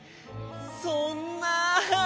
そんな。